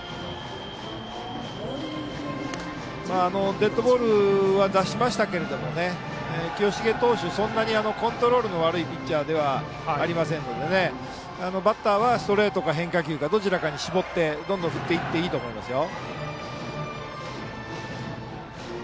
デッドボールは出しましたが清重投手、そんなにコントロールの悪いピッチャーではありませんのでバッターはストレートか変化球かどちらかに絞ってどんどん振っていっていいと思いますよ。